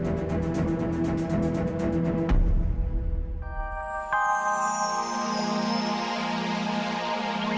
tapi karena luncu aku percaya bahwa